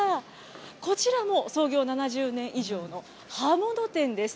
こちらも創業７０年以上の刃物店です。